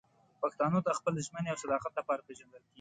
پښتانه د خپل ژمنې او صداقت لپاره پېژندل کېږي.